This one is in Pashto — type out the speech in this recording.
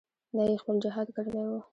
دا یې خپل جهاد ګڼلی وو.